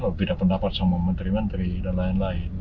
berbeda pendapat sama menteri menteri dan lain lain